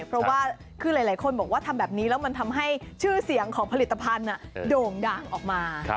เพราะว่าคือหลายคนบอกว่าทำแบบนี้แล้วมันทำให้ชื่อเสียงของผลิตภัณฑ์โด่งด่างออกมา